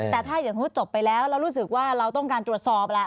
แต่ถ้าอย่างสมมุติจบไปแล้วเรารู้สึกว่าเราต้องการตรวจสอบแหละ